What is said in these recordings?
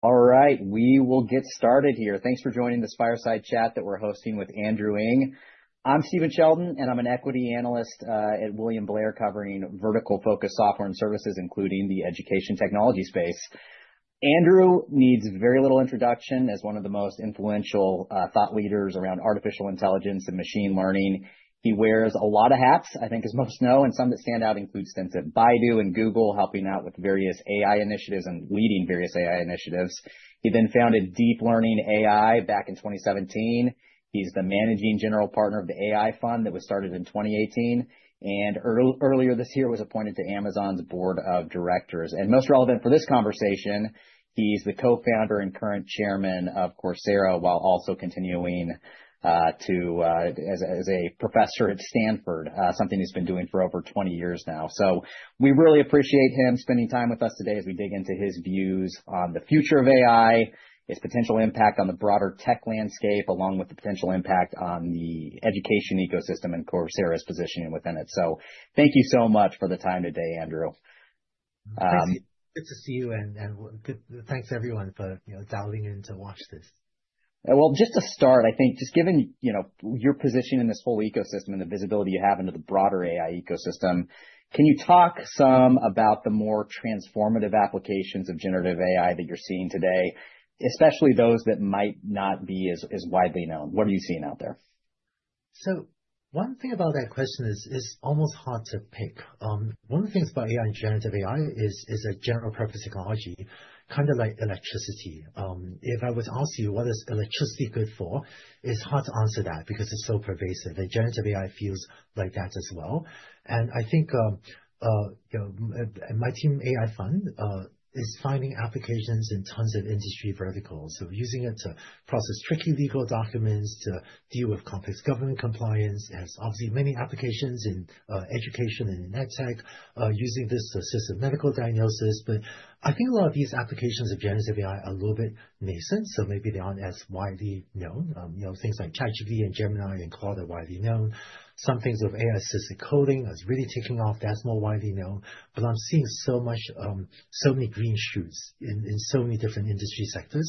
All right, we will get started here. Thanks for joining this Fireside Chat that we're hosting with Andrew Ng. I'm Stephen Sheldon, and I'm an equity analyst at William Blair, covering vertical-focused software and services, including the education technology space. Andrew needs very little introduction as one of the most influential thought leaders around artificial intelligence and machine learning. He wears a lot of hats, I think as most know, and some that stand out include stints at Baidu and Google, helping out with various AI initiatives and leading various AI initiatives. He then founded DeepLearning.AI back in 2017. He's the managing general partner of the AI Fund that was started in 2018, and earlier this year was appointed to Amazon's board of directors. And most relevant for this conversation, he's the co-founder and current chairman of Coursera, while also continuing to, as a professor at Stanford, something he's been doing for over 20 years now. So we really appreciate him spending time with us today as we dig into his views on the future of AI, its potential impact on the broader tech landscape, along with the potential impact on the education ecosystem and Coursera's positioning within it. So thank you so much for the time today, Andrew. Good to see you, and thanks everyone for dialing in to watch this. Just to start, I think just given your position in this whole ecosystem and the visibility you have into the broader AI ecosystem, can you talk some about the more transformative applications of generative AI that you're seeing today, especially those that might not be as widely known? What are you seeing out there? So one thing about that question is almost hard to pick. One of the things about AI and generative AI is a general-purpose technology, kind of like electricity. If I was to ask you, what is electricity good for? It's hard to answer that because it's so pervasive, and generative AI feels like that as well. And I think my team, AI Fund, is finding applications in tons of industry verticals. So we're using it to process tricky legal documents, to deal with complex government compliance. It has obviously many applications in education and in edtech, using this to assist in medical diagnosis. But I think a lot of these applications of generative AI are a little bit nascent, so maybe they aren't as widely known. Things like ChatGPT and Gemini and Claude are widely known. Some things of AI-assisted coding are really taking off. That's more widely known. But I'm seeing so many green shoots in so many different industry sectors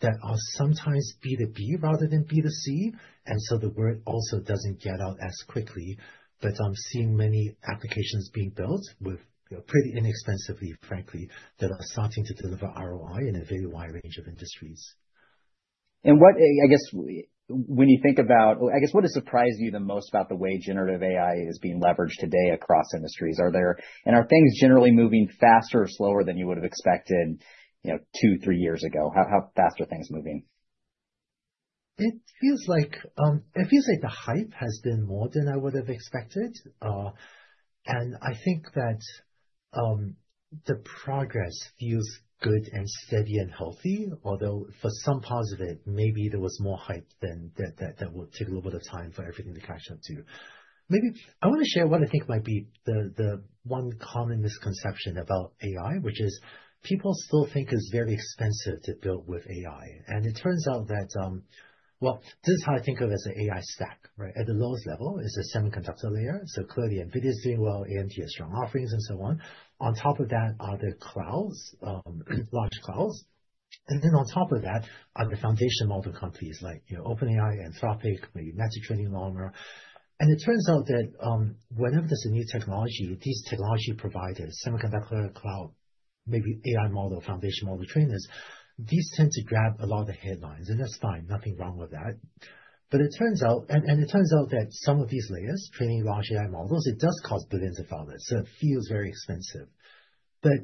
that are sometimes B2B rather than B2C, and so the word also doesn't get out as quickly. But I'm seeing many applications being built pretty inexpensively, frankly, that are starting to deliver ROI in a very wide range of industries. I guess when you think about, I guess, what is surprising you the most about the way generative AI is being leveraged today across industries? Are things generally moving faster or slower than you would have expected two, three years ago? How fast are things moving? It feels like the hype has been more than I would have expected, and I think that the progress feels good and steady and healthy, although for some parts of it, maybe there was more hype than that would take a little bit of time for everything to catch up to. Maybe I want to share what I think might be the one common misconception about AI, which is people still think it's very expensive to build with AI, and it turns out that, well, this is how I think of it as an AI stack, right? At the lowest level is a semiconductor layer. So clearly, Nvidia is doing well, AMD has strong offerings, and so on. On top of that are the clouds, large clouds, and then on top of that are the foundation model companies like OpenAI, Anthropic, maybe Meta longer. It turns out that whenever there's a new technology, these technology providers, semiconductor, cloud, maybe AI model, foundation model trainers, these tend to grab a lot of headlines. And that's fine. Nothing wrong with that. But it turns out that some of these layers, training large AI models, it does cost billions of dollars. So it feels very expensive. But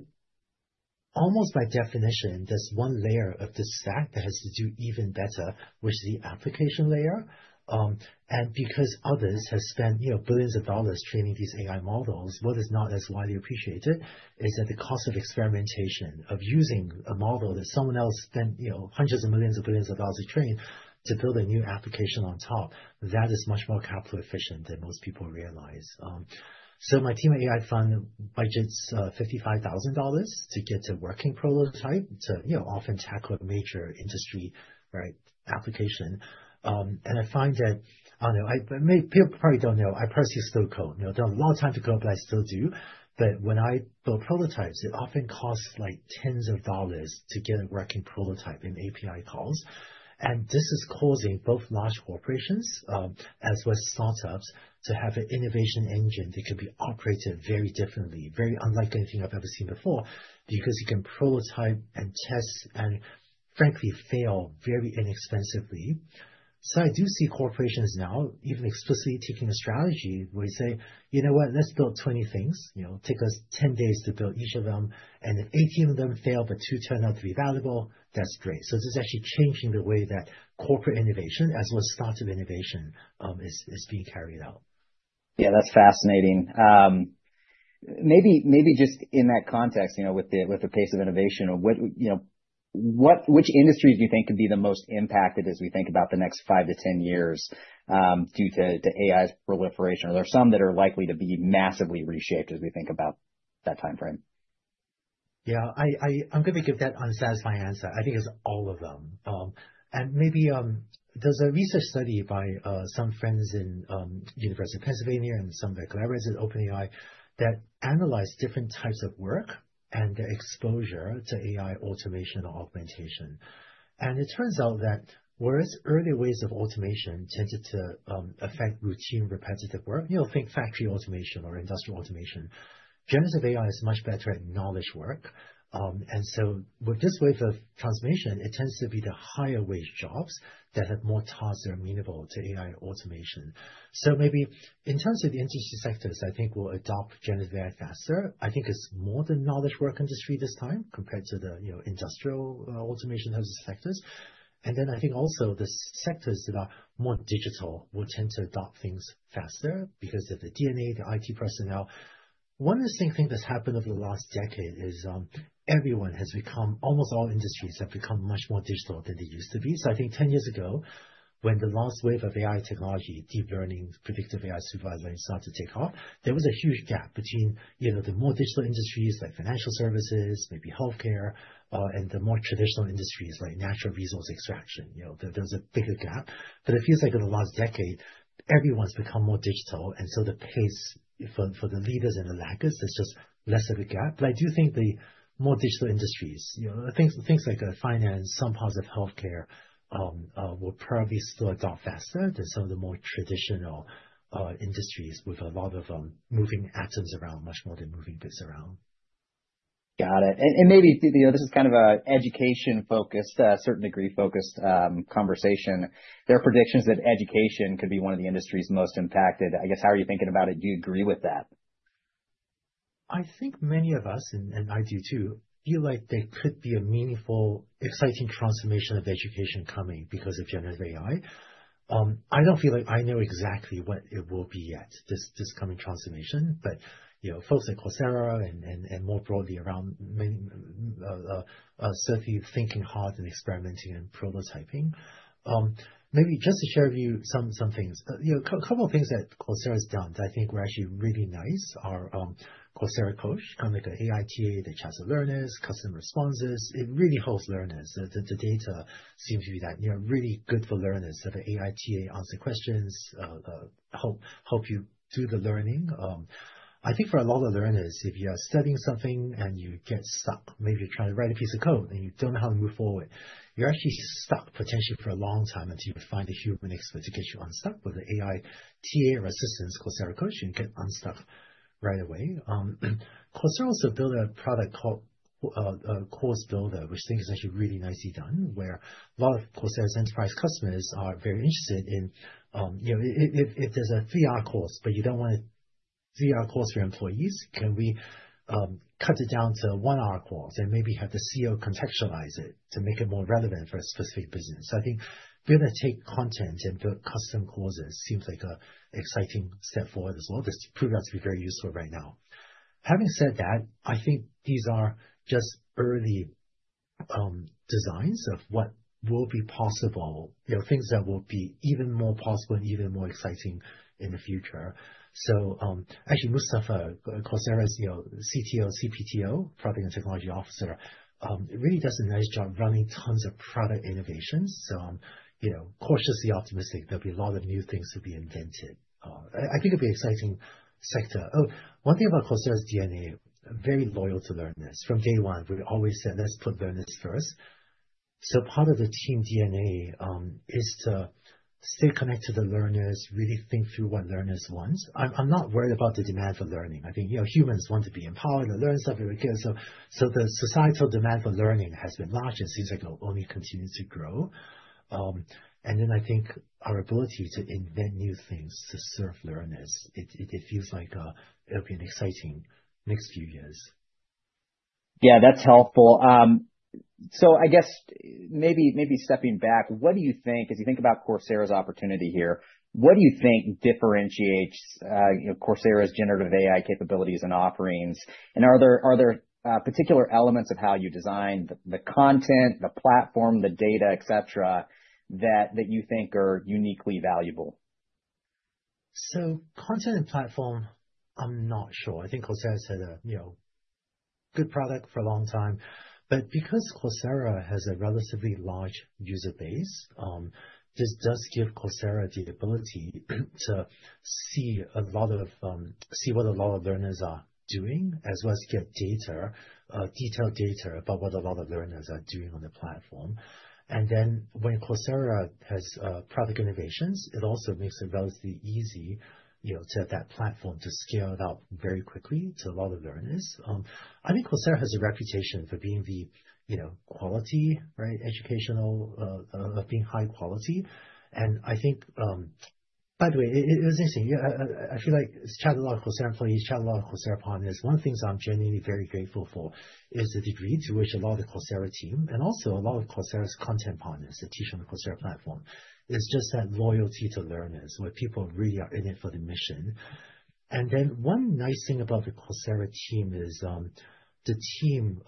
almost by definition, there's one layer of the stack that has to do even better, which is the application layer. And because others have spent billions of dollars training these AI models, what is not as widely appreciated is that the cost of experimentation, of using a model that someone else spent hundreds of millions of billions of dollars to train to build a new application on top, that is much more capital efficient than most people realize. So my team at AI Fund budgets $55,000 to get to working prototype, to often tackle a major industry application. And I find that, I don't know, people probably don't know, I personally still code. There's a lot of time to code, but I still do. But when I build prototypes, it often costs like tens of dollars to get a working prototype in API calls. And this is causing both large corporations as well as startups to have an innovation engine that can be operated very differently, very unlike anything I've ever seen before, because you can prototype and test and, frankly, fail very inexpensively. So I do see corporations now even explicitly taking a strategy where they say, you know what, let's build 20 things. It'll take us 10 days to build each of them. If 18 of them fail, but two turn out to be valuable, that's great. This is actually changing the way that corporate innovation as well as startup innovation is being carried out. Yeah, that's fascinating. Maybe just in that context, with the pace of innovation, which industry do you think could be the most impacted as we think about the next five to 10 years due to AI's proliferation? Are there some that are likely to be massively reshaped as we think about that time frame? Yeah, I'm going to give that unsatisfying answer. I think it's all of them, and maybe there's a research study by some friends in the University of Pennsylvania and some of their collaborators at OpenAI that analyzed different types of work and their exposure to AI automation or augmentation, and it turns out that whereas early ways of automation tended to affect routine repetitive work (think factory automation or industrial automation), generative AI is much better at knowledge work, and so with this wave of transformation, it tends to be the higher wage jobs that have more tasks that are amenable to AI automation, so maybe in terms of the industry sectors I think will adopt generative AI faster, I think it's more the knowledge work industry this time compared to the industrial automation types of sectors. And then I think also the sectors that are more digital will tend to adopt things faster because of the DNA, the IT personnel. One interesting thing that's happened over the last decade is everyone has become, almost all industries have become much more digital than they used to be. So I think 10 years ago, when the last wave of AI technology, deep learning, predictive AI, supervised learning started to take off, there was a huge gap between the more digital industries like financial services, maybe healthcare, and the more traditional industries like natural resource extraction. There was a bigger gap. But it feels like in the last decade, everyone's become more digital. And so the pace for the leaders and the laggards, there's just less of a gap. But I do think the more digital industries, things like finance, some parts of healthcare, will probably still adopt faster than some of the more traditional industries with a lot of moving atoms around, much more than moving bits around. Got it, and maybe this is kind of an education-focused, a certain degree-focused conversation. There are predictions that education could be one of the industries most impacted. I guess, how are you thinking about it? Do you agree with that? I think many of us, and I do too, feel like there could be a meaningful, exciting transformation of education coming because of generative AI. I don't feel like I know exactly what it will be yet, this coming transformation. But folks at Coursera and more broadly around certainly thinking hard and experimenting and prototyping. Maybe just to share with you some things, a couple of things that Coursera has done that I think were actually really nice are Coursera Coach, kind of like an AI TA that chats with learners, custom responses. It really helps learners. The data seems to be that really good for learners that the AI TA answer questions, help you do the learning. I think for a lot of learners, if you are studying something and you get stuck, maybe you're trying to write a piece of code and you don't know how to move forward, you're actually stuck potentially for a long time until you find a human expert to get you unstuck. With the AI TA or assistance, Coursera Coach, you can get unstuck right away. Coursera also built a product called Course Builder, which I think is actually really nicely done, where a lot of Coursera's enterprise customers are very interested in, if there's a three-hour course, but you don't want a three-hour course for employees, can we cut it down to a one-hour course and maybe have the AI contextualize it to make it more relevant for a specific business? So I think taking content and building custom courses seems like an exciting step forward as well. There's proof that's going to be very useful right now. Having said that, I think these are just early designs of what will be possible, things that will be even more possible and even more exciting in the future, so actually, Mustafa, Coursera's CTO, CPTO, product and technology officer, really does a nice job running tons of product innovations, so cautiously optimistic there'll be a lot of new things to be invented. I think it'll be an exciting sector. Oh, one thing about Coursera's DNA, very loyal to learners. From day one, we've always said, let's put learners first, so part of the team DNA is to stay connected to learners, really think through what learners want. I'm not worried about the demand for learning. I think humans want to be empowered and learn stuff. So the societal demand for learning has been large and seems like it'll only continue to grow. And then I think our ability to invent new things to serve learners, it feels like it'll be an exciting next few years. Yeah, that's helpful. So I guess maybe stepping back, what do you think, as you think about Coursera's opportunity here, what do you think differentiates Coursera's generative AI capabilities and offerings? And are there particular elements of how you design the content, the platform, the data, etc., that you think are uniquely valuable? Content and platform, I'm not sure. I think Coursera's had a good product for a long time. But because Coursera has a relatively large user base, this does give Coursera the ability to see what a lot of learners are doing, as well as get detailed data about what a lot of learners are doing on the platform. And then when Coursera has product innovations, it also makes it relatively easy to have that platform to scale it up very quickly to a lot of learners. I think Coursera has a reputation for being the quality, educational, of being high quality. And I think, by the way, it was interesting. I feel like I've chatted a lot with Coursera employees and Coursera partners. One of the things I'm genuinely very grateful for is the degree to which a lot of the Coursera team and also a lot of Coursera's content partners that teach on the Coursera platform is just that loyalty to learners, where people really are in it for the mission, and then one nice thing about the Coursera team is the team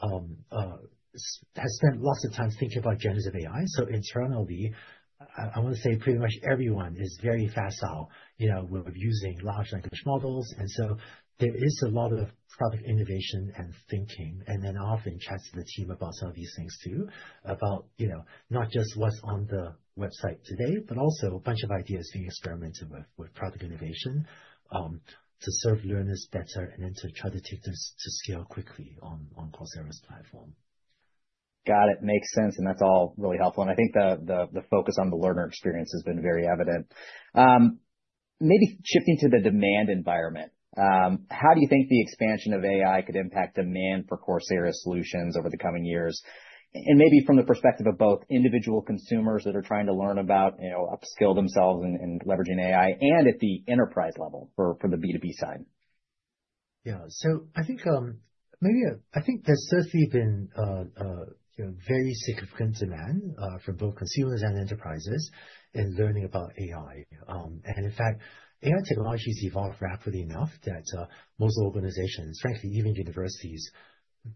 has spent lots of time thinking about generative AI, so internally, I want to say pretty much everyone is very facile with using large language models, and so there is a lot of product innovation and thinking, and then often chats with the team about some of these things too, about not just what's on the website today, but also a bunch of ideas being experimented with product innovation to serve learners better and then to try to take this to scale quickly on Coursera's platform. Got it. Makes sense. And that's all really helpful. And I think the focus on the learner experience has been very evident. Maybe shifting to the demand environment, how do you think the expansion of AI could impact demand for Coursera solutions over the coming years? And maybe from the perspective of both individual consumers that are trying to learn about, upskill themselves and leveraging AI, and at the enterprise level for the B2B side. Yeah. So I think maybe I think there's certainly been very significant demand from both consumers and enterprises in learning about AI. And in fact, AI technologies evolve rapidly enough that most organizations, frankly, even universities,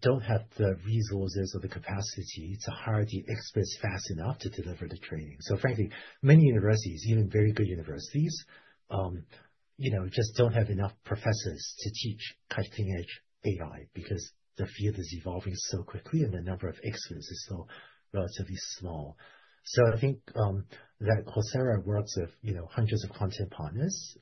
don't have the resources or the capacity to hire the experts fast enough to deliver the training. So frankly, many universities, even very good universities, just don't have enough professors to teach cutting-edge AI because the field is evolving so quickly and the number of experts is still relatively small. So I think that Coursera works with hundreds of content partners,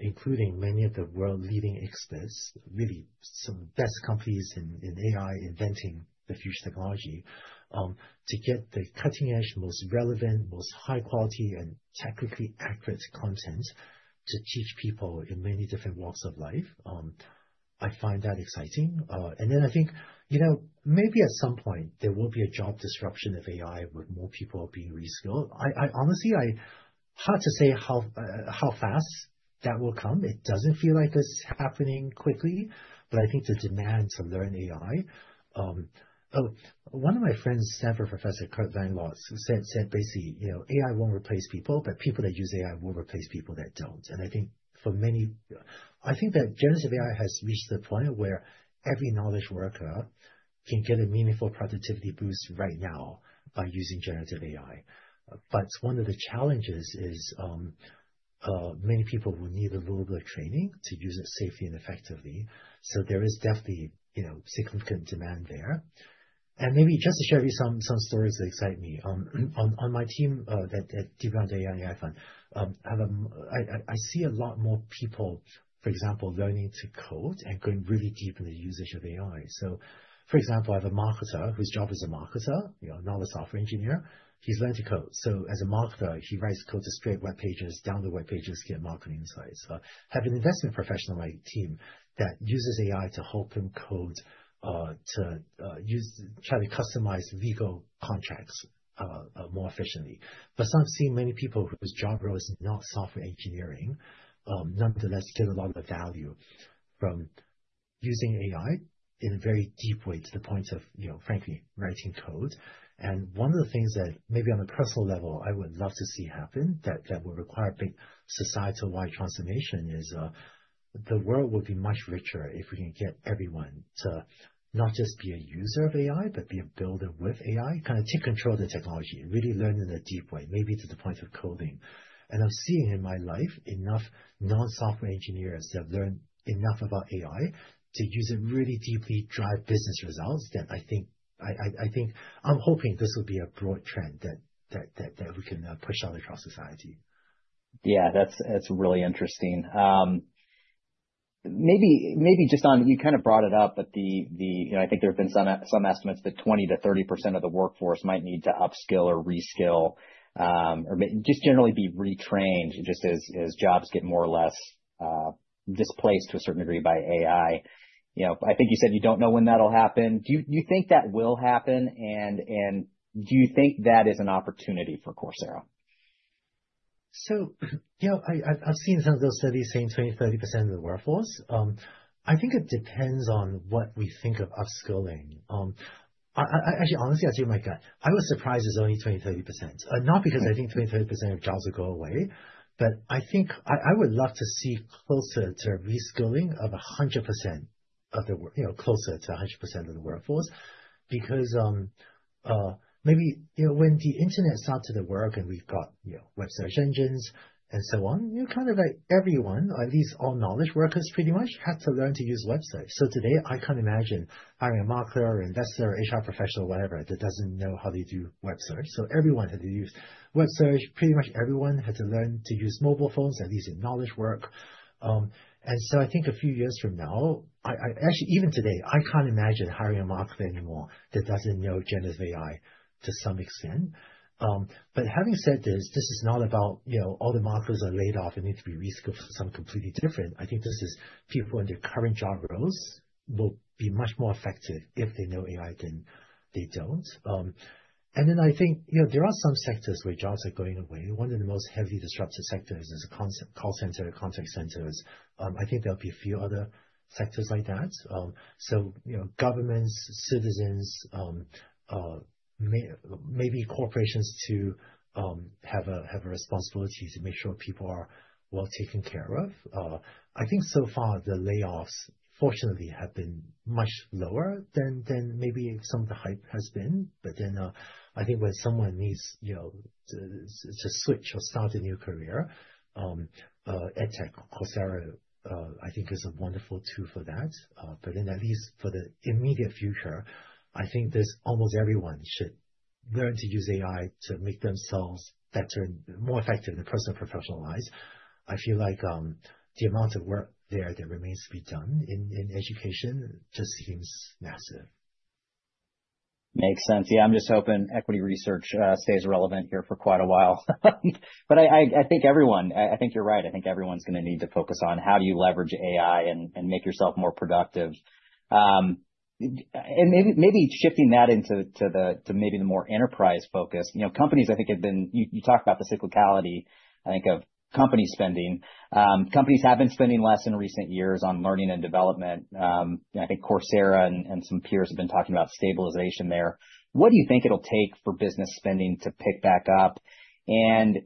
including many of the world-leading experts, really some of the best companies in AI inventing the future technology, to get the cutting-edge, most relevant, most high-quality, and technically accurate content to teach people in many different walks of life. I find that exciting. And then I think maybe at some point, there will be a job disruption of AI with more people being reskilled. Honestly, it's hard to say how fast that will come. It doesn't feel like it's happening quickly, but I think the demand to learn AI, oh, one of my friends, Stanford Professor Kurt Langlotz, said basically, AI won't replace people, but people that use AI will replace people that don't, and I think for many, I think that generative AI has reached the point where every knowledge worker can get a meaningful productivity boost right now by using generative AI, but one of the challenges is many people will need a little bit of training to use it safely and effectively, so there is definitely significant demand there, and maybe just to share with you some stories that excite me. On my team at DeepLearning.AI and AI Fund, I see a lot more people, for example, learning to code and going really deep in the usage of AI. So for example, I have a marketer whose job is a marketer, not a software engineer. He's learned to code. So as a marketer, he writes code to scrape web pages, download web pages, get marketing insights. So I have an investment professional on my team that uses AI to help him code, to try to customize legal contracts more efficiently. But I've seen many people whose job role is not software engineering, nonetheless, get a lot of value from using AI in a very deep way to the point of, frankly, writing code. One of the things that maybe on a personal level, I would love to see happen that will require a big societal-wide transformation is the world will be much richer if we can get everyone to not just be a user of AI, but be a builder with AI, kind of take control of the technology, really learn in a deep way, maybe to the point of coding. I'm seeing in my life enough non-software engineers that have learned enough about AI to use it really deeply, drive business results that I think I'm hoping this will be a broad trend that we can push out across society. Yeah, that's really interesting. Maybe just on, you kind of brought it up, but I think there have been some estimates that 20% to 30% of the workforce might need to upskill or reskill or just generally be retrained just as jobs get more or less displaced to a certain degree by AI. I think you said you don't know when that'll happen. Do you think that will happen? And do you think that is an opportunity for Coursera? So yeah, I've seen some of those studies saying 20% to 30% of the workforce. I think it depends on what we think of upskilling. Actually, honestly, I'll tell you my gut. I was surprised it's only 20% to 30%. Not because I think 20% to 30% of jobs will go away, but I think I would love to see closer to reskilling of 100% of the closer to 100% of the workforce because maybe when the internet started to work and we've got web search engines and so on, kind of like everyone, at least all knowledge workers pretty much, had to learn to use web search. So today, I can't imagine hiring a marketer, an investor, an HR professional, whatever, that doesn't know how to do web search. So everyone had to use web search. Pretty much everyone had to learn to use mobile phones, at least in knowledge work, and so I think a few years from now, actually, even today, I can't imagine hiring a marketer anymore that doesn't know generative AI to some extent, but having said this, this is not about all the marketers are laid off and need to be reskilled for something completely different. I think this is people in their current job roles will be much more affected if they know AI than they don't, and then I think there are some sectors where jobs are going away. One of the most heavily disrupted sectors is call centers, contact centers. I think there'll be a few other sectors like that, so governments, citizens, maybe corporations to have a responsibility to make sure people are well taken care of. I think so far, the layoffs, fortunately, have been much lower than maybe some of the hype has been. But then I think when someone needs to switch or start a new career, edtech, Coursera, I think, is a wonderful tool for that. But then at least for the immediate future, I think almost everyone should learn to use AI to make themselves better and more effective in their personal and professional lives. I feel like the amount of work there that remains to be done in education just seems massive. Makes sense. Yeah, I'm just hoping equity research stays relevant here for quite a while. But I think everyone, I think you're right. I think everyone's going to need to focus on how do you leverage AI and make yourself more productive. And maybe shifting that into maybe the more enterprise focus. Companies, I think, have been, you talked about the cyclicality, I think, of company spending. Companies have been spending less in recent years on learning and development. I think Coursera and some peers have been talking about stabilization there. What do you think it'll take for business spending to pick back up? And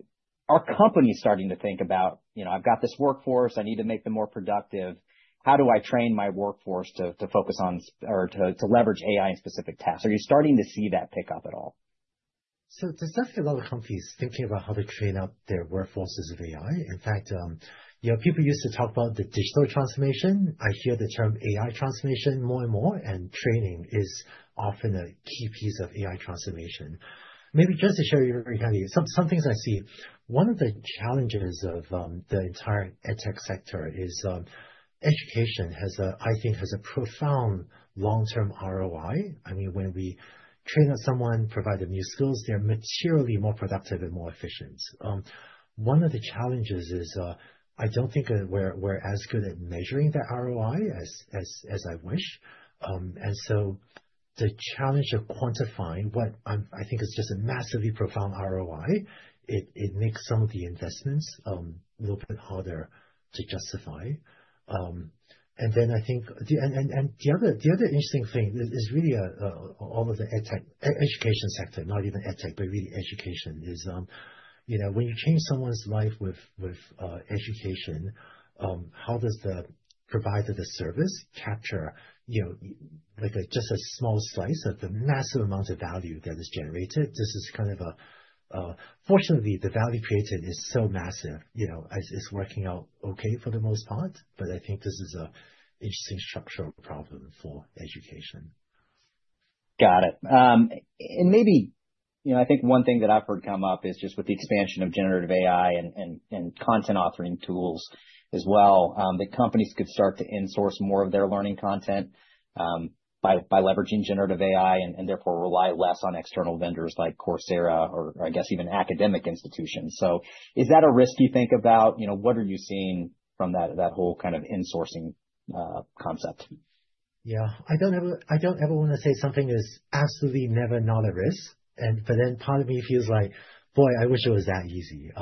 are companies starting to think about, "I've got this workforce. I need to make them more productive. How do I train my workforce to focus on or to leverage AI in specific tasks?" Are you starting to see that pick up at all? So there's definitely a lot of companies thinking about how to train up their workforces of AI. In fact, people used to talk about the digital transformation. I hear the term AI transformation more and more. And training is often a key piece of AI transformation. Maybe just to share very quickly some things I see. One of the challenges of the entire edtech sector is education, I think, has a profound long-term ROI. I mean, when we train up someone, provide them new skills, they're materially more productive and more efficient. One of the challenges is I don't think we're as good at measuring that ROI as I wish. And so the challenge of quantifying what I think is just a massively profound ROI, it makes some of the investments a little bit harder to justify. And then I think the other interesting thing is really all of the education sector, not even edtech, but really education is when you change someone's life with education, how does the provider of the service capture just a small slice of the massive amount of value that is generated? This is kind of a, fortunately, the value created is so massive. It's working out okay for the most part. But I think this is an interesting structural problem for education. Got it. And maybe I think one thing that I've heard come up is just with the expansion of generative AI and content authoring tools as well, that companies could start to insource more of their learning content by leveraging generative AI and therefore rely less on external vendors like Coursera or, I guess, even academic institutions. So is that a risk you think about? What are you seeing from that whole kind of insourcing concept? Yeah, I don't ever want to say something is absolutely never not a risk, but then part of me feels like, boy, I wish it was that easy,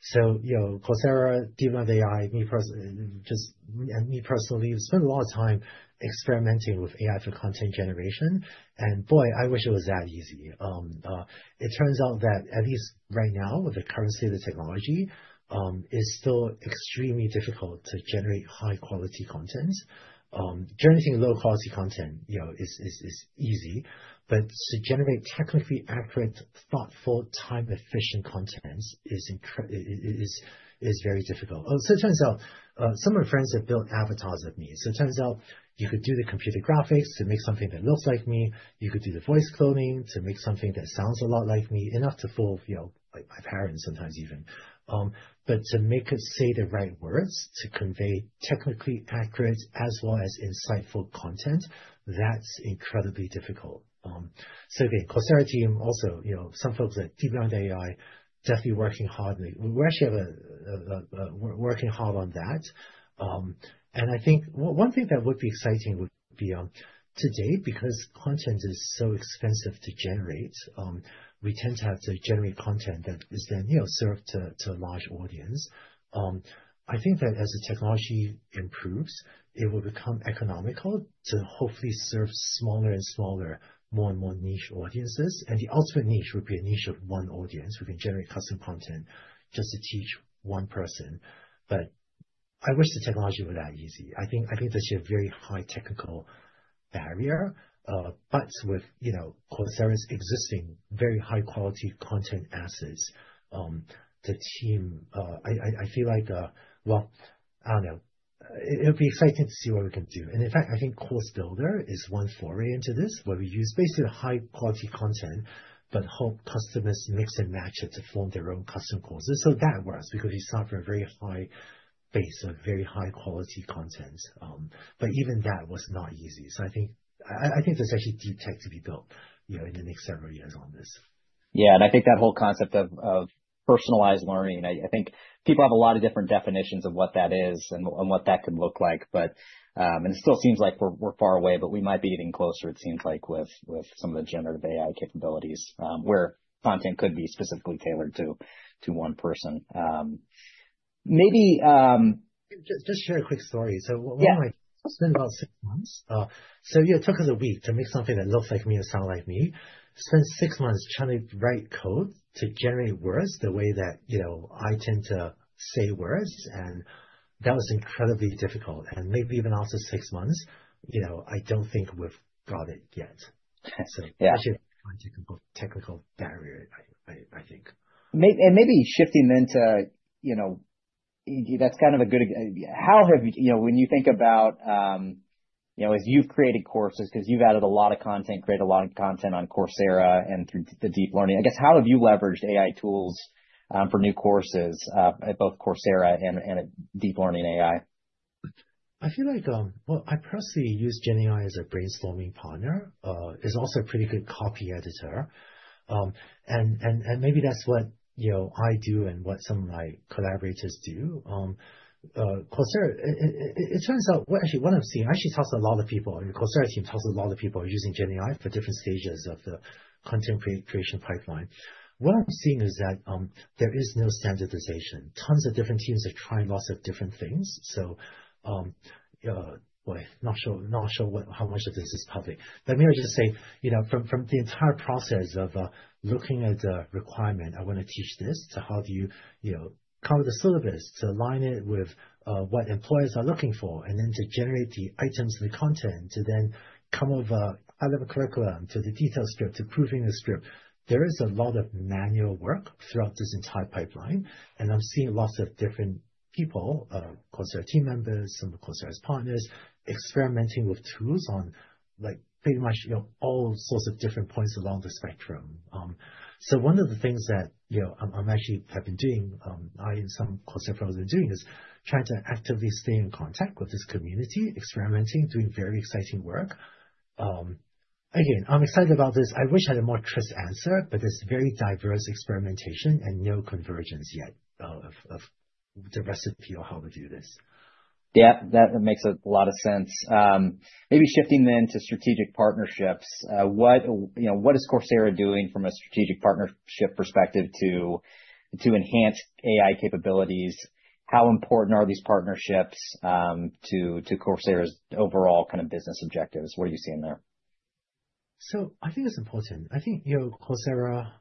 so Coursera, DeepLearning.AI, me personally spent a lot of time experimenting with AI for content generation, and boy, I wish it was that easy. It turns out that at least right now, with the current state of the technology, it's still extremely difficult to generate high-quality content. Generating low-quality content is easy, but to generate technically accurate, thoughtful, time-efficient content is very difficult, so it turns out some of my friends have built avatars of me, so it turns out you could do the computer graphics to make something that looks like me. You could do the voice cloning to make something that sounds a lot like me, enough to fool my parents sometimes even. To make it say the right words, to convey technically accurate as well as insightful content, that's incredibly difficult. So again, Coursera team, also some folks at DeepLearning.AI, definitely working hard. We actually are working hard on that. And I think one thing that would be exciting would be today, because content is so expensive to generate, we tend to have to generate content that is then served to a large audience. I think that as the technology improves, it will become economical to hopefully serve smaller and smaller, more and more niche audiences. And the ultimate niche would be a niche of one audience. We can generate custom content just to teach one person. But I wish the technology were that easy. I think that's a very high technical barrier. But with Coursera's existing very high-quality content assets, the team, I feel like, well, I don't know. It'll be exciting to see what we can do, and in fact, I think Course Builder is one foray into this, where we use basically high-quality content, but help customers mix and match it to form their own custom courses, so that works because you start from a very high base of very high-quality content, but even that was not easy, so I think there's actually deep tech to be built in the next several years on this. Yeah, and I think that whole concept of personalized learning. I think people have a lot of different definitions of what that is and what that could look like, and it still seems like we're far away, but we might be getting closer, it seems like, with some of the generative AI capabilities, where content could be specifically tailored to one person. Maybe. Just share a quick story. So it's been about six months. So it took us a week to make something that looks like me and sounds like me, spent six months trying to write code to generate words the way that I tend to say words. And that was incredibly difficult. And maybe even after six months, I don't think we've got it yet. So it's actually a technical barrier, I think. And maybe shifting then to that is kind of a good. How have you, when you think about as you've created courses, because you've added a lot of content on Coursera and through DeepLearning.AI, I guess, leveraged AI tools for new courses at both Coursera and DeepLearning.AI? I feel like, well, I personally use GenAI as a brainstorming partner. It's also a pretty good copy editor. And maybe that's what I do and what some of my collaborators do. Coursera, it turns out, well, actually, what I'm seeing, I actually talk to a lot of people. The Coursera team talks to a lot of people using GenAI for different stages of the content creation pipeline. What I'm seeing is that there is no standardization. Tons of different teams are trying lots of different things. So boy, not sure how much of this is public. Maybe I'll just say, from the entire process of looking at the requirement. I want to teach this to how do you come up with a syllabus to align it with what employers are looking for, and then to generate the items and the content to then come up with a high-level curriculum to the detailed script to proofing the script. There is a lot of manual work throughout this entire pipeline. I'm seeing lots of different people, Coursera team members, some of Coursera's partners, experimenting with tools on pretty much all sorts of different points along the spectrum. One of the things that I'm actually have been doing, in some Coursera forums I've been doing, is trying to actively stay in contact with this community, experimenting, doing very exciting work. Again, I'm excited about this. I wish I had a more trusted answer, but it's very diverse experimentation and no convergence yet of the recipe of how to do this. Yep. That makes a lot of sense. Maybe shifting then to strategic partnerships. What is Coursera doing from a strategic partnership perspective to enhance AI capabilities? How important are these partnerships to Coursera's overall kind of business objectives? What are you seeing there? So I think it's important. I think Coursera,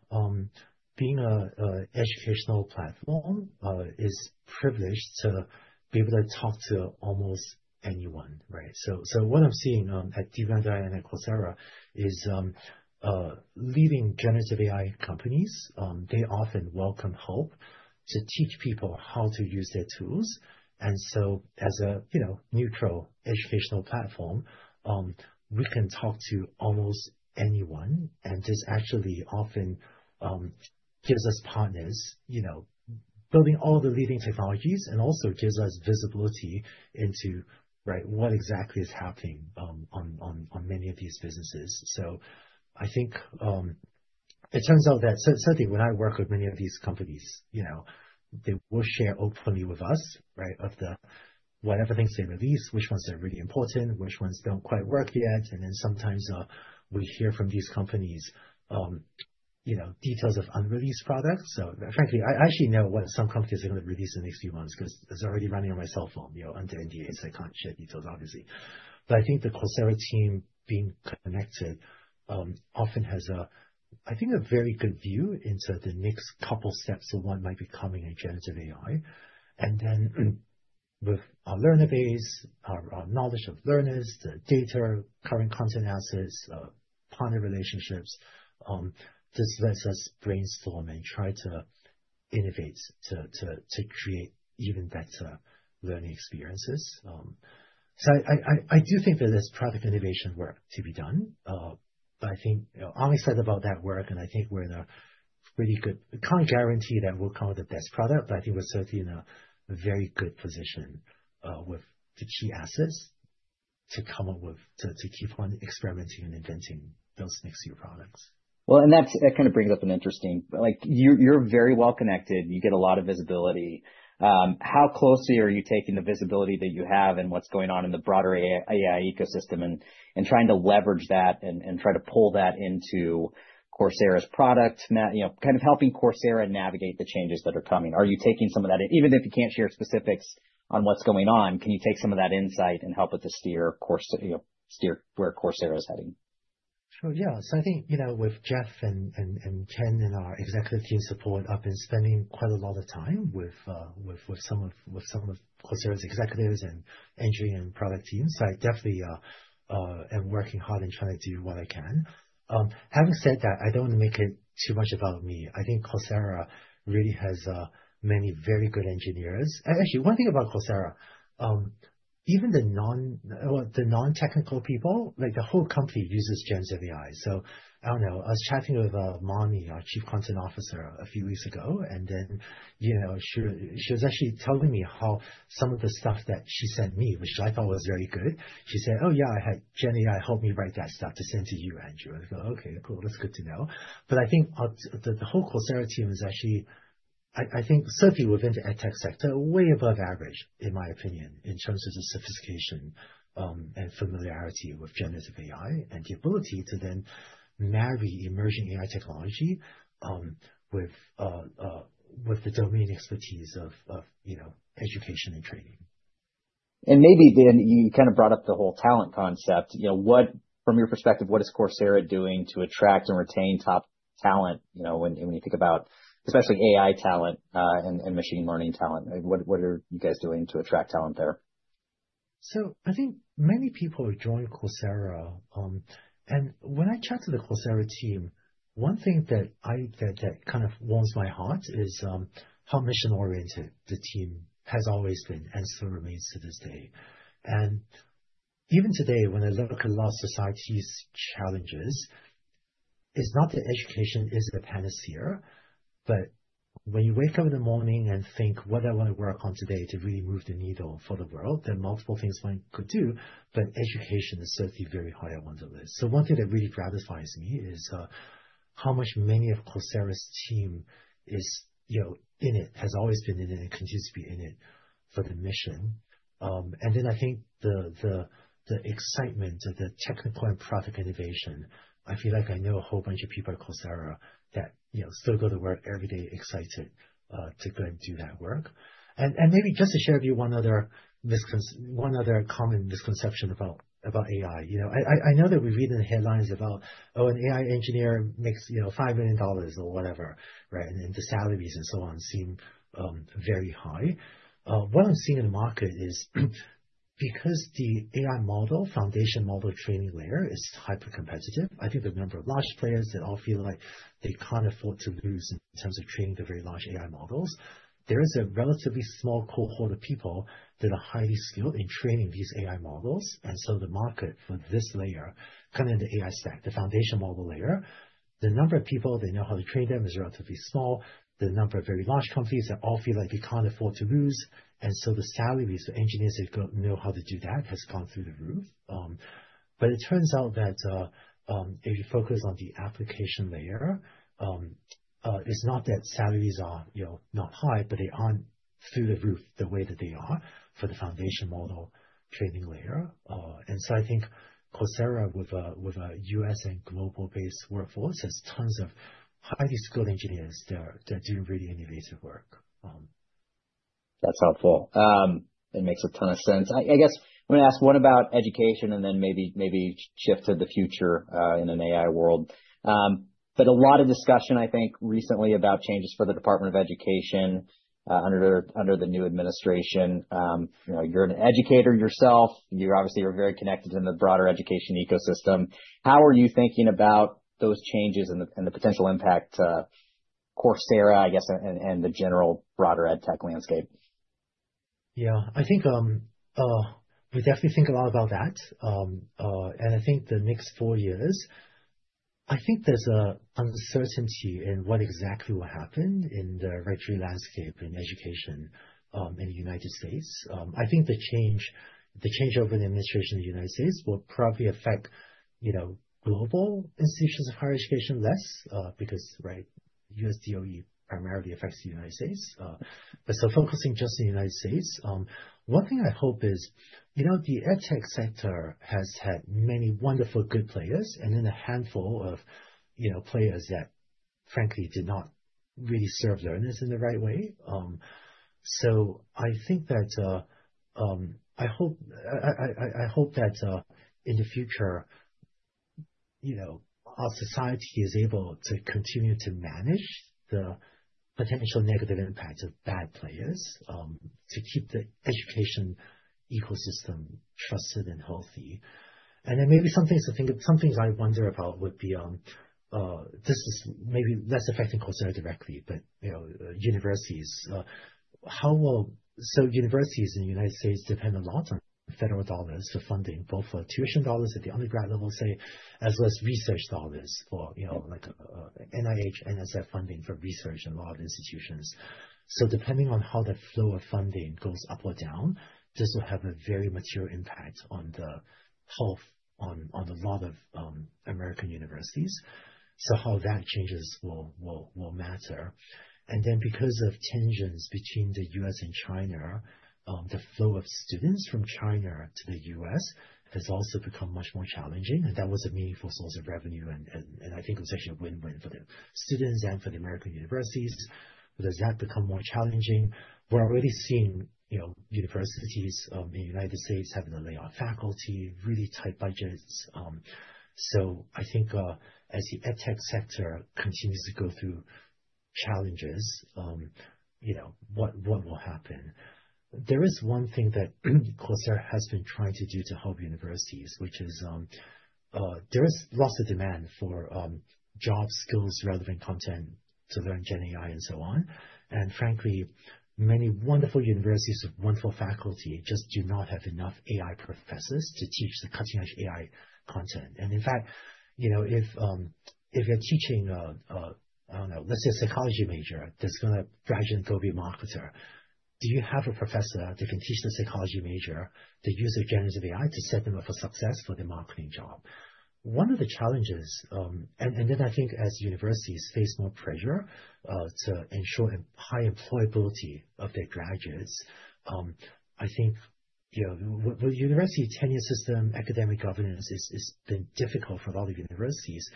being an educational platform, is privileged to be able to talk to almost anyone, right? So what I'm seeing at DeepLearning.AI and at Coursera is leading generative AI companies, they often welcome help to teach people how to use their tools. And so as a neutral educational platform, we can talk to almost anyone. And this actually often gives us partners building all the leading technologies and also gives us visibility into what exactly is happening on many of these businesses. So I think it turns out that, certainly, when I work with many of these companies, they will share openly with us, right, of whatever things they release, which ones are really important, which ones don't quite work yet. And then sometimes we hear from these companies details of unreleased products. So frankly, I actually know what some companies are going to release in the next few months because it's already running on my cell phone under NDA, so I can't share details, obviously. But I think the Coursera team being connected often has, I think, a very good view into the next couple of steps of what might be coming in generative AI. And then with our learner base, our knowledge of learners, the data, current content assets, partner relationships, this lets us brainstorm and try to innovate to create even better learning experiences. So I do think that there's product innovation work to be done. But I think I'm excited about that work. And I think we're in a pretty good, can't guarantee that we'll come up with the best product. But I think we're certainly in a very good position with the key assets to come up with, to keep on experimenting and inventing those next few products. Well, and that kind of brings up an interesting, you're very well connected. You get a lot of visibility. How closely are you taking the visibility that you have and what's going on in the broader AI ecosystem and trying to leverage that and try to pull that into Coursera's product, kind of helping Coursera navigate the changes that are coming? Are you taking some of that? Even if you can't share specifics on what's going on, can you take some of that insight and help with the steer where Coursera is heading? Sure. Yeah. So I think with Jeff and Ken and our executive team support, I've been spending quite a lot of time with some of Coursera's executives and engineering and product teams. So I definitely am working hard and trying to do what I can. Having said that, I don't want to make it too much about me. I think Coursera really has many very good engineers. Actually, one thing about Coursera, even the non-technical people, the whole company uses GenAI. So I don't know. I was chatting with Marni, our chief content officer, a few weeks ago. And then she was actually telling me how some of the stuff that she sent me, which I thought was very good, she said, "Oh, yeah, I had GenAI help me write that stuff to send to you, Andrew." I go, "Okay, cool. That's good to know." But I think the whole Coursera team is actually, I think, certainly within the edtech sector, way above average, in my opinion, in terms of the sophistication and familiarity with generative AI and the ability to then marry emerging AI technology with the domain expertise of education and training. And maybe then you kind of brought up the whole talent concept. From your perspective, what is Coursera doing to attract and retain top talent when you think about especially AI talent and machine learning talent? What are you guys doing to attract talent there? I think many people have joined Coursera. When I chat to the Coursera team, one thing that kind of warms my heart is how mission-oriented the team has always been and still remains to this day. Even today, when I look at a lot of society's challenges, it's not that education is the panacea. When you wake up in the morning and think, "What do I want to work on today to really move the needle for the world?" There are multiple things one could do. Education is certainly very high on the list. One thing that really gratifies me is how much many of Coursera's team is in it, has always been in it, and continues to be in it for the mission. And then I think the excitement of the technical and product innovation. I feel like I know a whole bunch of people at Coursera that still go to work every day excited to go and do that work. And maybe just to share with you one other common misconception about AI. I know that we read in the headlines about, "Oh, an AI engineer makes $5 million or whatever," right? And the salaries and so on seem very high. What I'm seeing in the market is because the AI model, foundation model training layer, is hyper-competitive. I think the number of large players that all feel like they can't afford to lose in terms of training the very large AI models. There is a relatively small cohort of people that are highly skilled in training these AI models. And so the market for this layer kind of in the AI stack, the foundation model layer, the number of people they know how to train them is relatively small. The number of very large companies that all feel like they can't afford to lose. And so the salaries for engineers that know how to do that has gone through the roof. But it turns out that if you focus on the application layer, it's not that salaries are not high, but they aren't through the roof the way that they are for the foundation model training layer. And so I think Coursera, with a U.S. and global-based workforce, has tons of highly skilled engineers that do really innovative work. That's helpful. It makes a ton of sense. I guess I'm going to ask, what about education? And then maybe shift to the future in an AI world. But a lot of discussion, I think, recently about changes for the Department of Education under the new administration. You're an educator yourself. Obviously, you're very connected in the broader education ecosystem. How are you thinking about those changes and the potential impact to Coursera, I guess, and the general broader edtech landscape? Yeah. I think we definitely think a lot about that. And I think the next four years, I think there's an uncertainty in what exactly will happen in the regulatory landscape in education in the United States. I think the change over the administration in the United States will probably affect global institutions of higher education less because USDOE primarily affects the United States. But so focusing just on the United States, one thing I hope is the edtech sector has had many wonderful good players and then a handful of players that, frankly, did not really serve learners in the right way. So I think that I hope that in the future, our society is able to continue to manage the potential negative impact of bad players to keep the education ecosystem trusted and healthy. And then maybe some things I wonder about would be. This is maybe less affecting Coursera directly, but universities. So universities in the United States depend a lot on federal dollars for funding, both for tuition dollars at the undergrad level, say, as well as research dollars for NIH, NSF funding for research and a lot of institutions. So depending on how that flow of funding goes up or down, this will have a very material impact on the health of a lot of American universities. So how that changes will matter. And then because of tensions between the U.S. and China, the flow of students from China to the U.S. has also become much more challenging. And that was a meaningful source of revenue. And I think it was actually a win-win for the students and for the American universities. But as that becomes more challenging, we're already seeing universities in the United States having to lay off faculty, really tight budgets. So I think as the edtech sector continues to go through challenges, what will happen? There is one thing that Coursera has been trying to do to help universities, which is lots of demand for job skills, relevant content to learn GenAI and so on. And frankly, many wonderful universities with wonderful faculty just do not have enough AI professors to teach the cutting-edge AI content. And in fact, if you're teaching, I don't know, let's say a psychology major that's going to graduate and go be a marketer, do you have a professor that can teach the psychology major that uses generative AI to set them up for success for the marketing job? One of the challenges, and then I think as universities face more pressure to ensure high employability of their graduates, I think with university tenure system, academic governance has been difficult for a lot of universities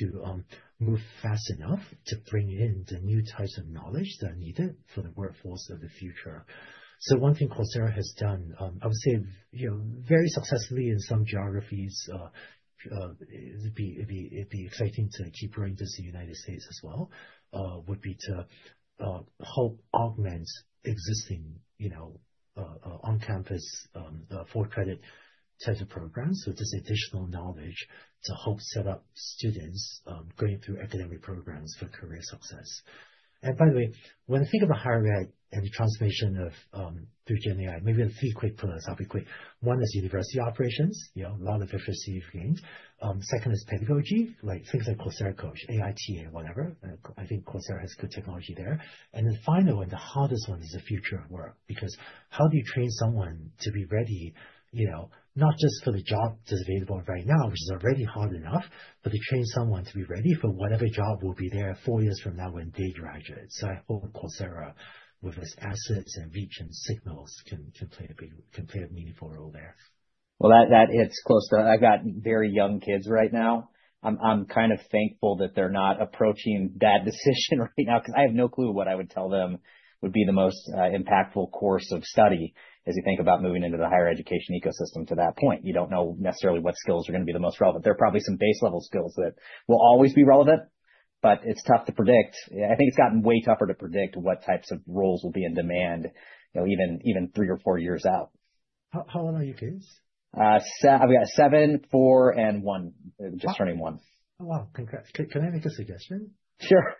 to move fast enough to bring in the new types of knowledge that are needed for the workforce of the future. So one thing Coursera has done, I would say very successfully in some geographies, it'd be exciting to keep growing this in the United States as well, would be to help augment existing on-campus full credit type of programs. So this additional knowledge to help set up students going through academic programs for career success. And by the way, when I think about higher ed and the transformation through GenAI, maybe three quick pillars I'll be quick. One is university operations, a lot of efficiency gained. Second is pedagogy, things like Coursera Coach, AI TA, whatever. I think Coursera has good technology there, and then the final one, the hardest one, is the future of work because how do you train someone to be ready, not just for the job that's available right now, which is already hard enough, but to train someone to be ready for whatever job will be there four years from now when they graduate, so I hope Coursera with its assets and reach and signals can play a meaningful role there. Well, that hits close to home. I got very young kids right now. I'm kind of thankful that they're not approaching that decision right now because I have no clue what I would tell them would be the most impactful course of study as you think about moving into the higher education ecosystem to that point. You don't know necessarily what skills are going to be the most relevant. There are probably some base-level skills that will always be relevant, but it's tough to predict. I think it's gotten way tougher to predict what types of roles will be in demand even three or four years out. How old are your kids? I've got seven, four, and one, just turning one. Oh, wow. Congrats. Can I make a suggestion? Sure.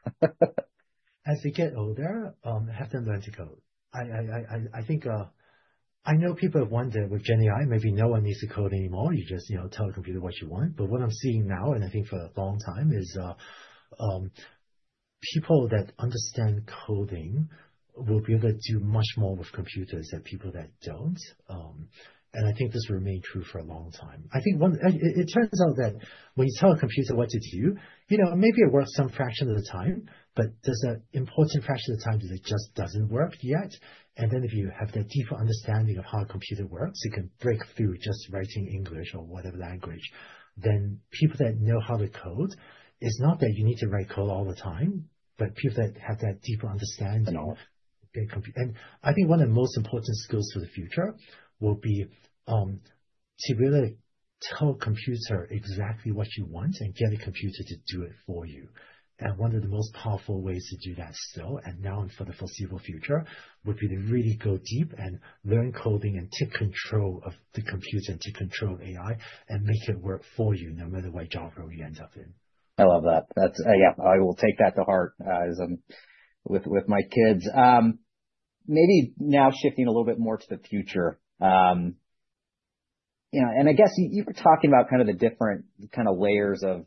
As they get older, have them learn to code. I think I know people have wondered with GenAI, maybe no one needs to code anymore. You just tell a computer what you want, but what I'm seeing now, and I think for a long time, is people that understand coding will be able to do much more with computers than people that don't, and I think this will remain true for a long time. I think it turns out that when you tell a computer what to do, maybe it works some fraction of the time, but there's an important fraction of the time that it just doesn't work yet, and then if you have that deeper understanding of how a computer works, it can break through just writing English or whatever language. Then, people that know how to code. It's not that you need to write code all the time, but people that have that deeper understanding of a computer. And I think one of the most important skills for the future will be to be able to tell a computer exactly what you want and get a computer to do it for you. And one of the most powerful ways to do that still, and now for the foreseeable future, would be to really go deep and learn coding and take control of the computer and take control of AI and make it work for you no matter what job role you end up in. I love that. Yeah, I will take that to heart with my kids. Maybe now shifting a little bit more to the future. And I guess you were talking about kind of the different kind of layers of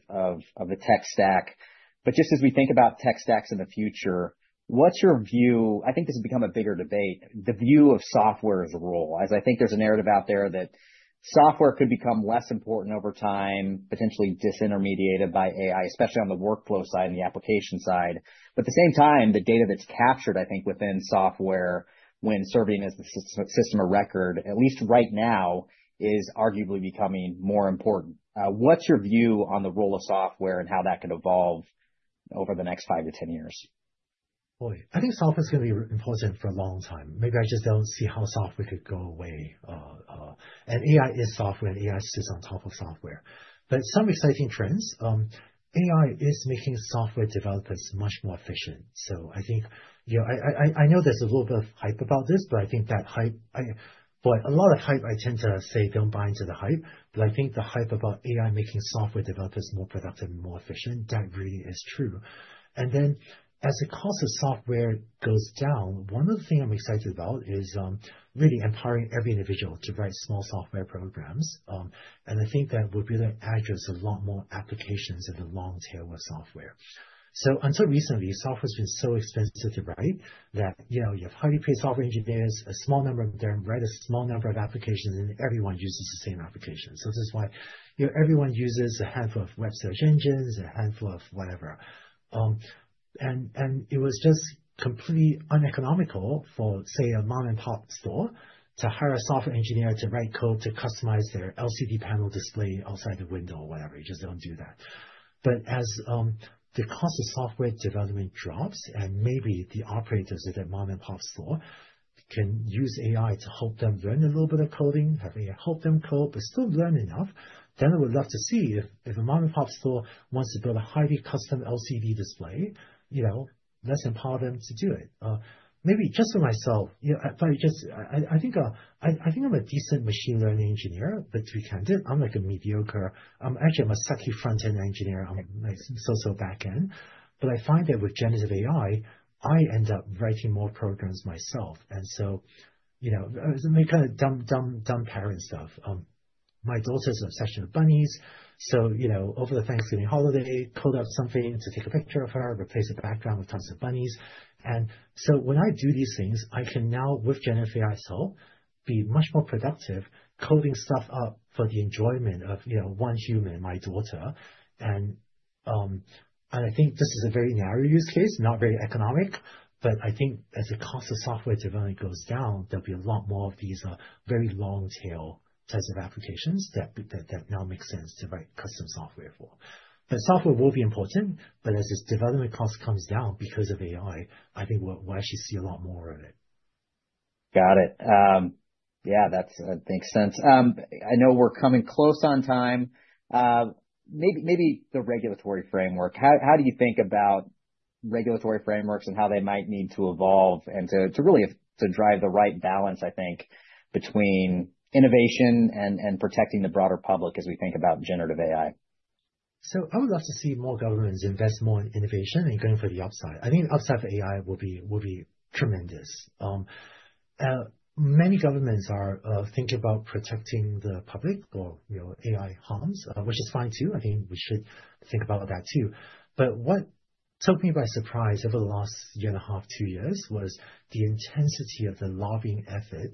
the tech stack. But just as we think about tech stacks in the future, what's your view? I think this has become a bigger debate, the view of software's role, as I think there's a narrative out there that software could become less important over time, potentially disintermediated by AI, especially on the workflow side and the application side. But at the same time, the data that's captured, I think, within software when serving as the system of record, at least right now, is arguably becoming more important. What's your view on the role of software and how that could evolve over the next five to 10 years? Boy, I think software is going to be important for a long time. Maybe I just don't see how software could go away, and AI is software, and AI sits on top of software. But some exciting trends, AI is making software developers much more efficient. So I think I know there's a little bit of hype about this, but I think that hype, well, a lot of hype, I tend to say, don't buy into the hype. But I think the hype about AI making software developers more productive and more efficient, that really is true. And then as the cost of software goes down, one of the things I'm excited about is really empowering every individual to write small software programs. And I think that will be able to address a lot more applications in the long tail with software. So until recently, software has been so expensive to write that you have highly paid software engineers, a small number of them write a small number of applications, and everyone uses the same applications, so this is why everyone uses a handful of web search engines, a handful of whatever, and it was just completely uneconomical for, say, a mom-and-pop store to hire a software engineer to write code to customize their LCD panel display outside the window or whatever. You just don't do that, but as the cost of software development drops and maybe the operators at that mom-and-pop store can use AI to help them learn a little bit of coding, help them code, but still learn enough, then I would love to see if a mom-and-pop store wants to build a highly custom LCD display. Let's empower them to do it. Maybe just for myself, I think I'm a decent machine learning engineer, but to be candid, I'm like a mediocre. Actually, I'm a senior front-end engineer. I'm so-so back-end. I find that with generative AI, I end up writing more programs myself. It's kind of dumb, dumb, dumb parent stuff. My daughter's obsession with bunnies. Over the Thanksgiving holiday, I coded up something to take a picture of her, replace the background with tons of bunnies. When I do these things, I can now, with generative AI, be much more productive coding stuff up for the enjoyment of one human, my daughter. I think this is a very narrow use case, not very economic. But I think as the cost of software development goes down, there'll be a lot more of these very long-tail types of applications that now make sense to write custom software for. But software will be important. But as this development cost comes down because of AI, I think we'll actually see a lot more of it. Got it. Yeah, that makes sense. I know we're coming close on time. Maybe the regulatory framework. How do you think about regulatory frameworks and how they might need to evolve and to really drive the right balance, I think, between innovation and protecting the broader public as we think about generative AI? So I would love to see more governments invest more in innovation and going for the upside. I think the upside for AI will be tremendous. Many governments are thinking about protecting the public or AI harms, which is fine too. I think we should think about that too. But what took me by surprise over the last year and a half, two years was the intensity of the lobbying effort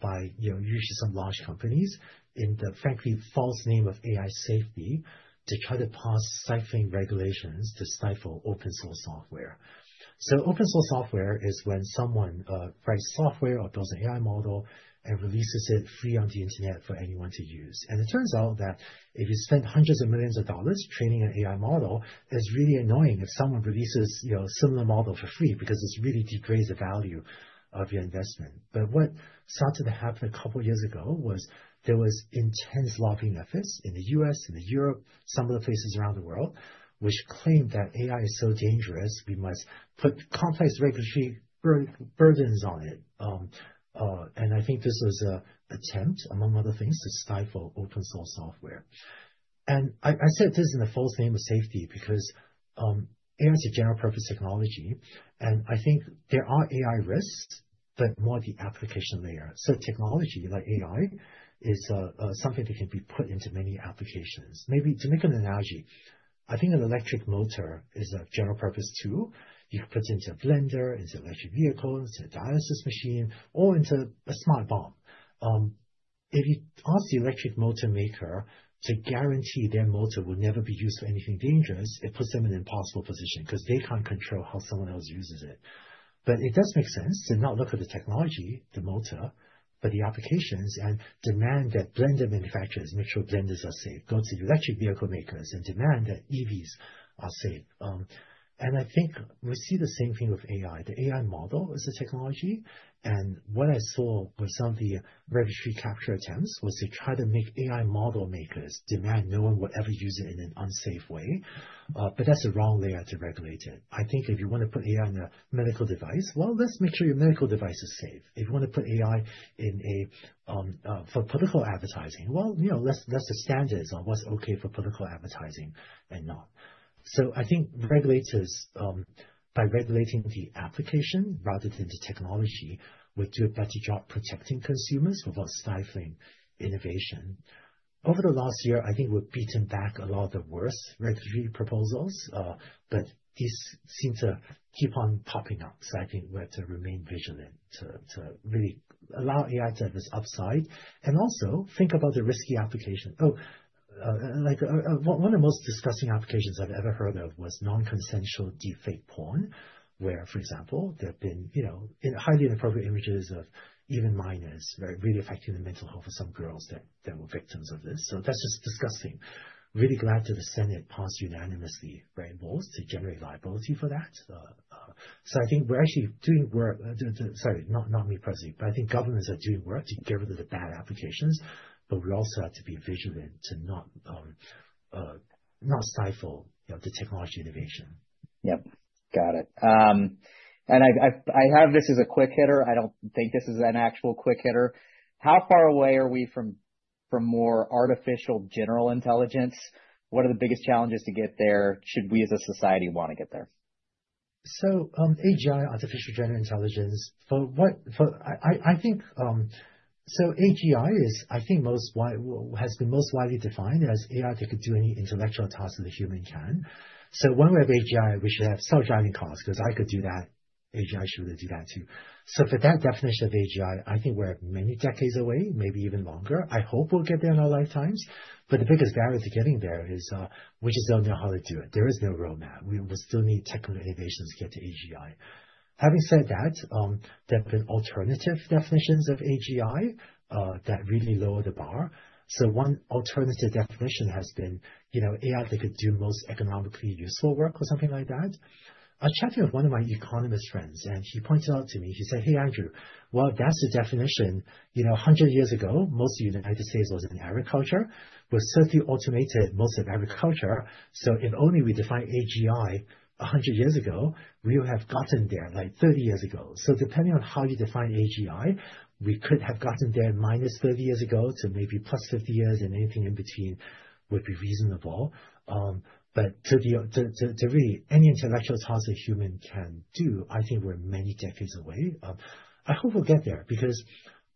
by usually some large companies in the, frankly, false name of AI safety to try to pass stifling regulations to stifle open-source software. So open-source software is when someone writes software or builds an AI model and releases it free on the internet for anyone to use. It turns out that if you spend hundreds of millions of dollars training an AI model, it's really annoying if someone releases a similar model for free because it really degrades the value of your investment. What started to happen a couple of years ago was there was intense lobbying efforts in the U.S., in Europe, some of the places around the world, which claimed that AI is so dangerous, we must put complex regulatory burdens on it. I think this was an attempt, among other things, to stifle open-source software. I said this in the false name of safety because AI is a general-purpose technology. I think there are AI risks, but more at the application layer. Technology like AI is something that can be put into many applications. Maybe to make an analogy, I think an electric motor is a general-purpose tool. You could put it into a blender, into an electric vehicle, into a dialysis machine, or into a smart bomb. If you ask the electric motor maker to guarantee their motor will never be used for anything dangerous, it puts them in an impossible position because they can't control how someone else uses it, but it does make sense to not look at the technology, the motor, but the applications and demand that blender manufacturers make sure blenders are safe, go to the electric vehicle makers and demand that EVs are safe, and I think we see the same thing with AI. The AI model is a technology, and what I saw with some of the regulatory capture attempts was to try to make AI model makers demand no one will ever use it in an unsafe way, but that's the wrong layer to regulate it. I think if you want to put AI in a medical device, well, let's make sure your medical device is safe. If you want to put AI in a form of political advertising, well, let's set standards on what's okay for political advertising and not. So I think regulators, by regulating the application rather than the technology, would do a better job protecting consumers from what's stifling innovation. Over the last year, I think we've beaten back a lot of the worst regulatory proposals, but these seem to keep on popping up. So I think we have to remain vigilant to really allow AI to have its upside and also think about the risky application. Oh, one of the most disgusting applications I've ever heard of was non-consensual deepfake porn, where, for example, there have been highly inappropriate images of even minors, really affecting the mental health of some girls that were victims of this. That's just disgusting. Really glad that the Senate passed unanimously right rules to generate liability for that. I think we're actually doing work, sorry, not me presently, but I think governments are doing work to get rid of the bad applications. We also have to be vigilant to not stifle the technology innovation. Yep. Got it. And I have this as a quick hitter. I don't think this is an actual quick hitter. How far away are we from more artificial general intelligence? What are the biggest challenges to get there? Should we as a society want to get there? So AGI, artificial general intelligence, I think, is most widely defined as AI that could do any intellectual task that a human can. So when we have AGI, we should have self-driving cars because I could do that. AGI should be able to do that too. So for that definition of AGI, I think we're many decades away, maybe even longer. I hope we'll get there in our lifetimes. But the biggest barrier to getting there is we just don't know how to do it. There is no roadmap. We still need technical innovations to get to AGI. Having said that, there have been alternative definitions of AGI that really lower the bar. So one alternative definition has been AI that could do most economically useful work or something like that. I was chatting with one of my economist friends, and he pointed out to me. He said, "Hey, Andrew, well, that's the definition. 100 years ago, most of the United States was in agriculture. We're certainly automated most of agriculture. So if only we defined AGI 100 years ago, we would have gotten there like 30 years ago." So depending on how you define AGI, we could have gotten there -30 years ago to maybe +50 years and anything in between would be reasonable. But to really any intellectual task a human can do, I think we're many decades away. I hope we'll get there because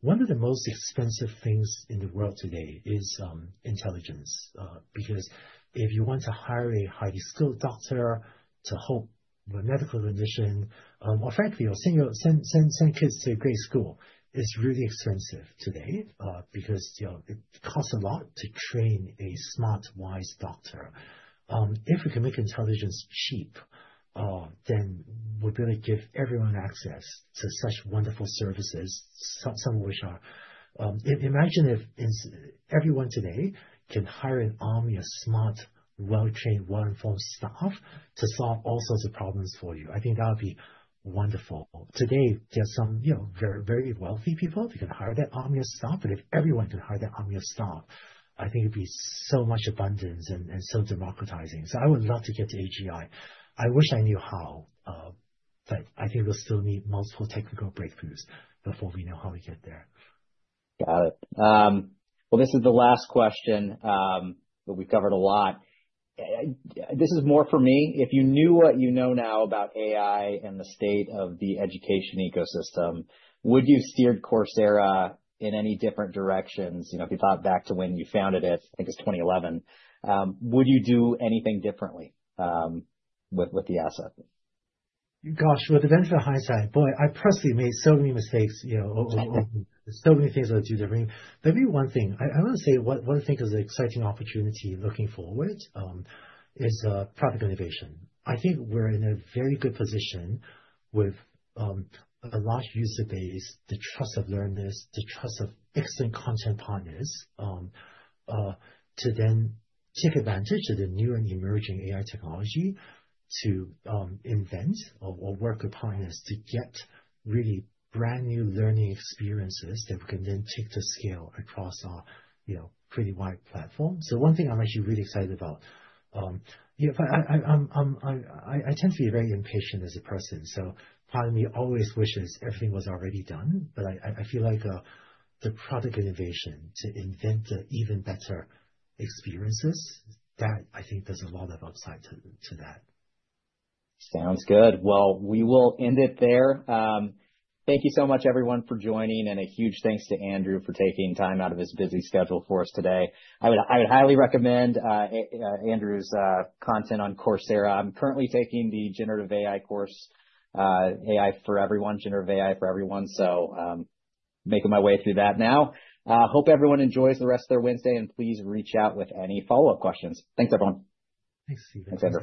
one of the most expensive things in the world today is intelligence. Because if you want to hire a highly skilled doctor to help a medical condition, or frankly, or send kids to a great school, it's really expensive today because it costs a lot to train a smart, wise doctor. If we can make intelligence cheap, then we'll be able to give everyone access to such wonderful services, some of which, imagine if everyone today can hire an army of smart, well-trained, well-informed staff to solve all sorts of problems for you. I think that would be wonderful. Today, there are some very wealthy people that can hire that army of staff. But if everyone can hire that army of staff, I think it'd be so much abundance and so democratizing. So I would love to get to AGI. I wish I knew how. But I think we'll still need multiple technical breakthroughs before we know how we get there. Got it. Well, this is the last question, but we've covered a lot. This is more for me. If you knew what you know now about AI and the state of the education ecosystem, would you steered Coursera in any different directions? If you thought back to when you founded it, I think it was 2011, would you do anything differently with the asset? Gosh, with eventual hindsight, boy, I personally made so many mistakes. So many things I would do differently. But maybe one thing I want to say: one thing is an exciting opportunity looking forward is product innovation. I think we're in a very good position with a large user base, the trust of learners, the trust of excellent content partners to then take advantage of the new and emerging AI technology to invent or work with partners to get really brand new learning experiences that we can then take to scale across a pretty wide platform. So one thing I'm actually really excited about. I tend to be very impatient as a person. So part of me always wishes everything was already done. But I feel like the product innovation to invent even better experiences. That I think there's a lot of upside to that. Sounds good. We will end it there. Thank you so much, everyone, for joining. A huge thanks to Andrew for taking time out of his busy schedule for us today. I would highly recommend Andrew's content on Coursera. I'm currently taking the generative AI course, AI for Everyone, Generative AI for Everyone. Making my way through that now. Hope everyone enjoys the rest of their Wednesday. Please reach out with any follow-up questions. Thanks, everyone. Thanks, Steve. Thanks, Andrew.